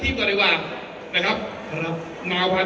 เสียงปลดมือจังกัน